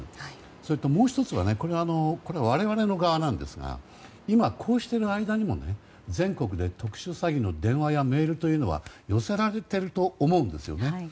それともう１つは我々の側なんですが今、こうしている間にも全国で特殊詐欺の電話やメールは寄せられていると思うんですね。